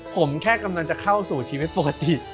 ผมแค่กำลังจะเข้าสู่ชีวิตปกติ